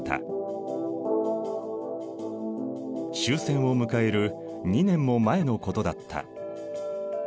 終戦を迎える２年も前のことだった。